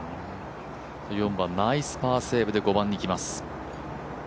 ４番、ナイスパーセーブで５番にいきます。